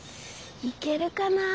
いけるかな？